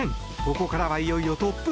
ここからは、いよいよトップ３。